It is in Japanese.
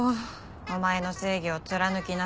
「お前の正義を貫きなさい」。